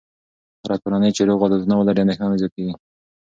هره کورنۍ چې روغ عادتونه ولري، اندېښنه نه زیاتېږي.